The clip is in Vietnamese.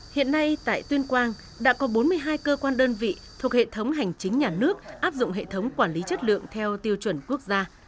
hiện nay tại tuyên quang đã có bốn mươi hai cơ quan đơn vị thuộc hệ thống hành chính nhà nước áp dụng hệ thống quản lý chất lượng theo tiêu chuẩn quốc gia